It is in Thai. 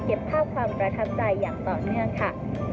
ภาพความประทับใจอย่างต่อเนื่องค่ะ